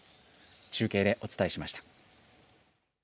中継でお伝えしました。